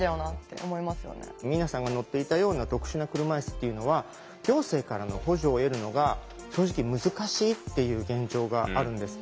明奈さんが乗っていたような特殊な車いすっていうのは行政からの補助を得るのが正直難しいっていう現状があるんですって。